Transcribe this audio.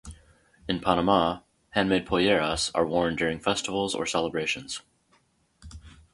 In Panama, handmade polleras are worn during festivals or celebrations.